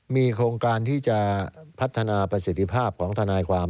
มีโครงการที่จะพัฒนาประสิทธิภาพของทนายความ